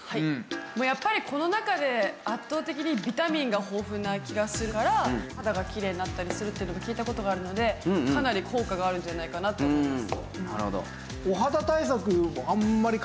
やっぱりこの中で圧倒的にビタミンが豊富な気がするから肌がきれいになったりするっていうのも聞いた事があるのでかなり効果があるんじゃないかなと思います。